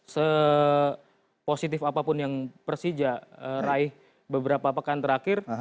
se positif apapun yang persija raih beberapa pekan terakhir